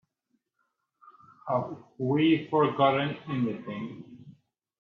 Have we forgotten anything?